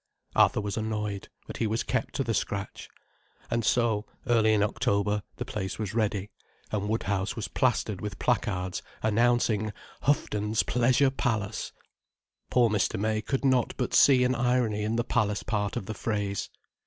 Arthur was annoyed, but he was kept to the scratch. And so, early in October the place was ready, and Woodhouse was plastered with placards announcing "Houghton's Pleasure Palace." Poor Mr. May could not but see an irony in the Palace part of the phrase.